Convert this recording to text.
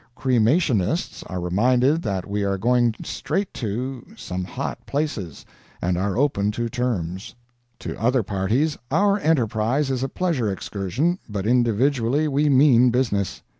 Cremationists are reminded that we are going straight to some hot places and are open to terms. To other parties our enterprise is a pleasure excursion, but individually we mean business.